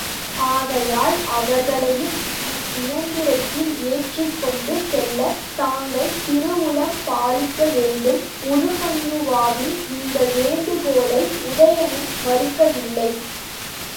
ஆகையால் அவர்களையும் இவ்வியந்திரத்தில் ஏற்றிக்கொண்டு செல்லத் தாங்கள் திருவுளம் பாலிக்கவேண்டும். உருமண்ணுவாவின் இந்த வேண்டுகோளை உதயணன் மறுக்கவில்லை.